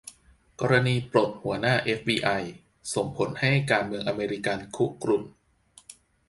กรณีปลดหัวหน้า เอฟบีไอ ส่งผลให้ การเมืองอเมริกัน คุกรุ่น